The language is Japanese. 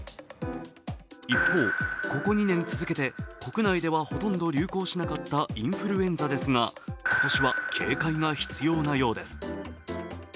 一方、ここ２年続けて国内ではほとんど流行しなかったインフルエンザですが今年は警戒が必要なようです。